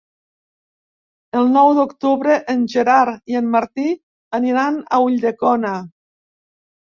El nou d'octubre en Gerard i en Martí aniran a Ulldecona.